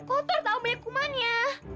kotor tahu bekumannya